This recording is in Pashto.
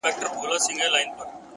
خپل ژوند د پوهې او عمل په رڼا جوړ کړئ.!